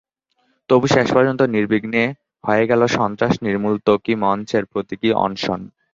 তবু শেষ পর্যন্ত নির্বিঘ্নে হয়ে গেল সন্ত্রাস নির্মূল ত্বকী মঞ্চের প্রতীকী অনশন।